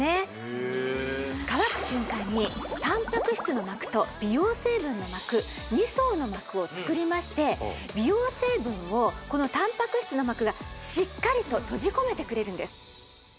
へえ乾く瞬間にタンパク質の膜と美容成分の膜二層の膜を作りまして美容成分をこのタンパク質の膜がしっかりと閉じ込めてくれるんです